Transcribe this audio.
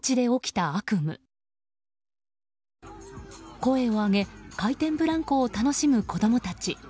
声を上げ回転ブランコを楽しむ子供たち。